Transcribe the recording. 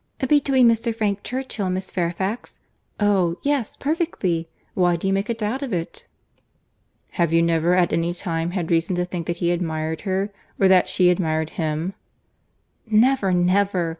"Between Mr. Frank Churchill and Miss Fairfax? Oh! yes, perfectly.—Why do you make a doubt of it?" "Have you never at any time had reason to think that he admired her, or that she admired him?" "Never, never!"